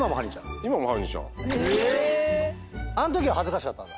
あのときは恥ずかしかったんだ？